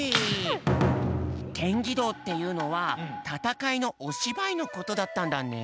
ケンギドーっていうのはたたかいのおしばいのことだったんだね。